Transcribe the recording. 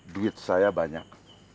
duit saya banyak